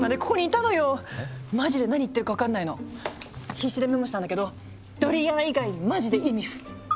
必死でメモしたんだけどドリアン以外マジでイミフ！